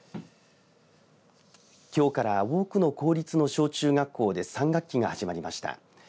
きょうから多くの公立の小中学校で３学期が始まりました。